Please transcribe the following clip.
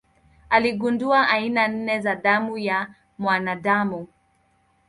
Aligundua aina nne za damu ya mwanadamu.